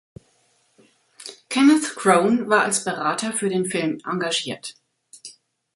Kenneth Crone war als Berater für den Film engagiert.